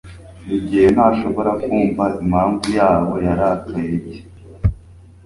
rugeyo ntashobora kumva impamvu jabo yarakaye cy